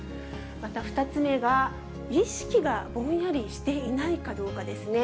また２つ目が、意識がぼんやりしていないかどうかですね。